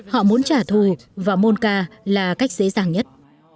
họ muốn trả thù và môn ca là cách dễ dàng nhất